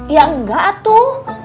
ya enggak tuh